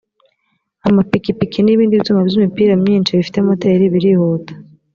amapikipiki n ibindi byuma by’imipira myinshi bifite moteri birihuta